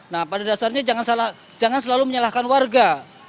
nah pada dasarnya jangan selalu menyalahkan warga